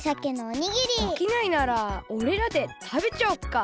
おきないならおれらでたべちゃおっか。